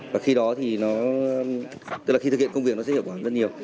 và khi đó thì nó tức là khi thực hiện công việc nó sẽ hiệu quả rất nhiều